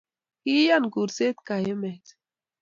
kiiyan kursetab kayumet